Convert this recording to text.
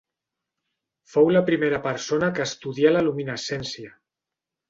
Fou la primera persona que estudià la luminescència.